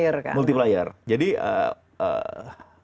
sebenarnya itu juga multi sektor unik sebenarnya itu juga multi sektor unik